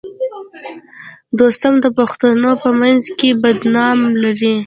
دوستم د پښتنو په منځ کې بد نوم لري